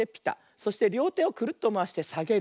そしてりょうてをクルッとまわしてさげる。